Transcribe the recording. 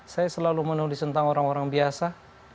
saya selalu menulis tentang orang orang biasa